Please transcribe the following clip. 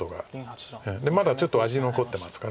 まだちょっと味残ってますから。